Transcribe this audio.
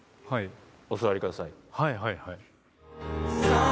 はいはいはい。